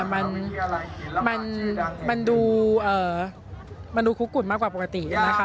มันดูมันดูคุกกุ่นมากกว่าปกตินะคะ